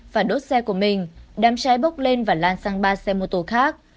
phải đốt xe của mình đám cháy bốc lên và lan sang ba xe mô tô khác